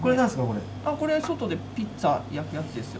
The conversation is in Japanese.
これ外でピッツァ焼くやつですよ。